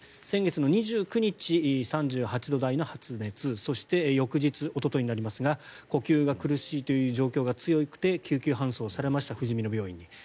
先月２９日、３８度台の発熱そして翌日おとといになりますが呼吸が苦しいという状況が強くて救急搬送されましたふじみの救急病院に。